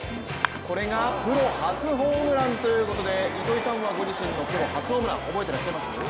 これがプロ初ホームランということで糸井さんはご自身のプロ初ホームラン覚えていらっしゃいます？